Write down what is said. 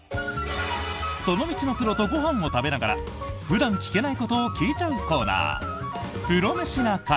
その道のプロとご飯を食べながら普段聞けないことを聞いちゃうコーナー「プロメシな会」。